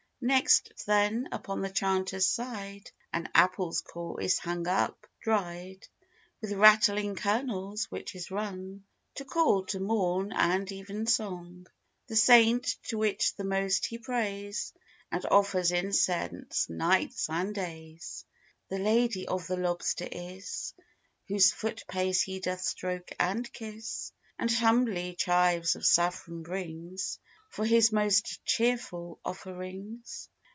Next then, upon the chanter's side An apple's core is hung up dried, With rattling kernels, which is rung To call to morn and even song. The saint, to which the most he prays And offers incense nights and days, The lady of the lobster is, Whose foot pace he doth stroke and kiss, And, humbly, chives of saffron brings For his most cheerful offerings.